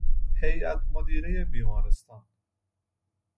هیئت مدیرهی بیمارستان